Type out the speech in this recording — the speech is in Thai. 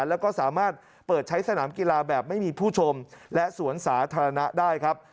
แล้วก็สามารถเปิดใช้สนามกีฬาแบบไม่มีผู้ชมและสวนสาธารณะได้ครับ